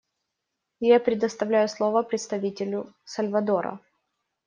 Я предоставляю слово представителю Сальвадора.